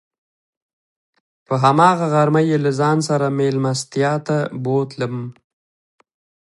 په هماغه غرمه یې له ځان سره میلمستیا ته بوتلم.